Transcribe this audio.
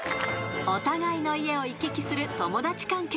［お互いの家を行き来する友達関係］